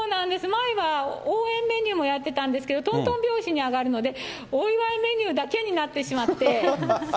前は応援メニューもやってたんですけど、とんとん拍子に上がるので、お祝いメニューだけになってしまって。